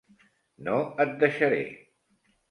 No et deixaré.